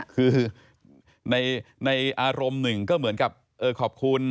คือในอารมณ์หนึ่งก็เหมือนกับขอบคุณ